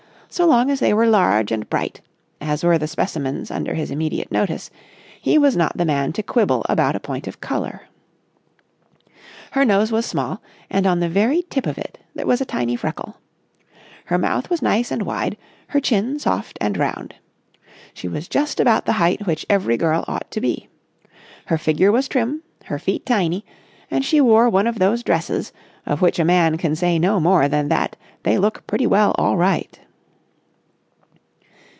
So long as they were large and bright, as were the specimens under his immediate notice, he was not the man to quibble about a point of colour. Her nose was small, and on the very tip of it there was a tiny freckle. Her mouth was nice and wide, her chin soft and round. She was just about the height which every girl ought to be. Her figure was trim, her feet tiny, and she wore one of those dresses of which a man can say no more than that they look pretty well all right.